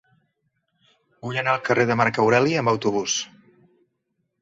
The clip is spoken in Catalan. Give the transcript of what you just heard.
Vull anar al carrer de Marc Aureli amb autobús.